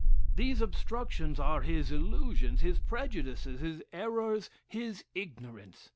These obstructions are his illusions, his prejudices, his errors, his ignorance.